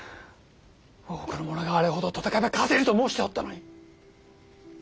多くの者があれほど戦えば勝てると申しておったのに。